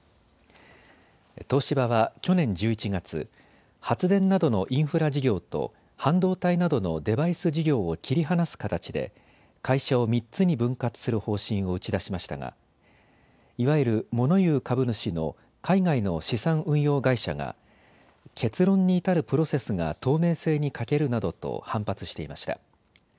東芝は去年１１月、発電などのインフラ事業と半導体などのデバイス事業を切り離す形で会社を３つに分割する方針を打ち出しましたがいわゆるモノ言う株主の海外の資産運用会社が結論に至るプロセスが透明性に欠けるなどと反発していました。